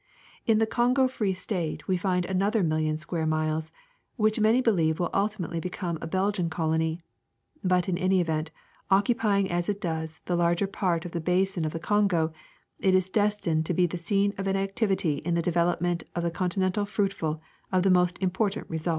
In the Kongo Free State we find an other million square miles, which many believe will ultimately become a Belgian colony ; but in any event, occupying as it does the larger part of the basin of the Kongo, it is destined to be the scene of an activity in the development of the continent fruitful of the most importa]it results.